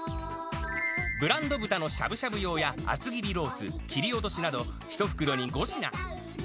ブランド豚のしゃぶしゃぶ用や、厚切りロース、切り落としなど、１袋に５品。